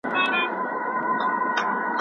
هغه ته دوه ضررونه وړاندي سوي دي.